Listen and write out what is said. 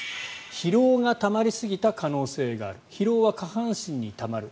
疲労がたまりすぎた可能性がある疲労は下半身にたまる。